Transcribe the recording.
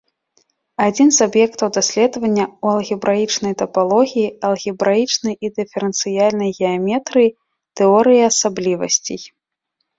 Адзін з аб'ектаў даследавання ў алгебраічнай тапалогіі, алгебраічнай і дыферэнцыяльнай геаметрыі, тэорыі асаблівасцей.